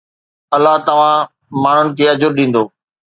الله توهان ماڻهن کي اجر ڏيندو